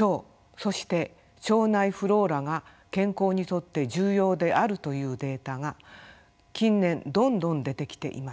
腸そして腸内フローラが健康にとって重要であるというデータが近年どんどん出てきています。